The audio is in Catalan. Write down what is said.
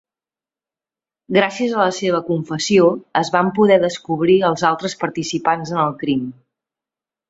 Gràcies a la seva confessió es van poder descobrir els altres participants en el crim.